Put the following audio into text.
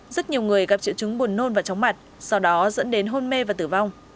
rất nhiều người gặp triệu chứng buồn nôn và chóng mặt sau đó dẫn đến hôn mê và tử vong